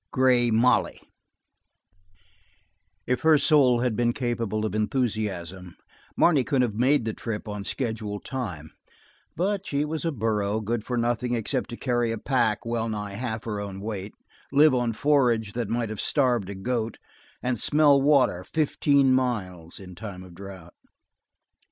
Grey Molly If her soul had been capable of enthusiasm, Marne could have made the trip on schedule time, but she was a burro good for nothing except to carry a pack well nigh half her own weight, live on forage that might have starved a goat, and smell water fifteen miles in time of drought.